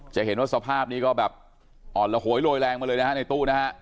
จะเห็นว่าสภาพนี้ก็แบบอ่อนโลยร่อยแรงมาเลยนะฮะในตู้